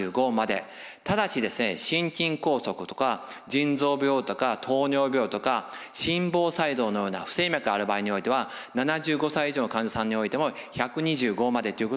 ただし心筋梗塞とか腎臓病とか糖尿病とか心房細動のような不整脈がある場合においては７５歳以上の患者さんにおいても１２５までということが推奨されます。